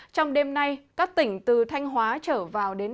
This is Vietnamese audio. trong đêm nay các tỉnh từ thanh hóa trở vào đến